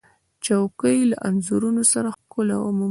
چوکۍ له انځورونو سره ښکلا مومي.